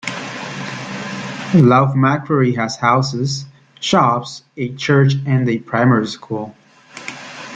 Loughmacrory has houses, shops, a church and a primary school.